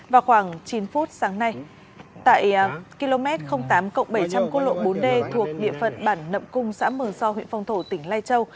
vào khoảng chín phút sáng nay tại km tám bảy trăm linh cô lộ bốn d thuộc địa phận bản nậm cung xã mường so huyện phong thổ tỉnh lai châu